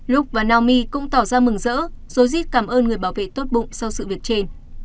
luke và naomi cũng tỏ ra mừng rỡ dối dít cảm ơn người bảo vệ tốt bụng sau sự việc trên